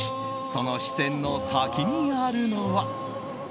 その視線の先にあるのは。